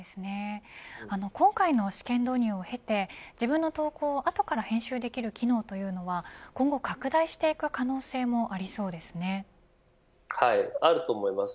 今回の試験導入を経て自分の投稿を後から編集できる機能というのは今後、拡大していく可能性もあると思います。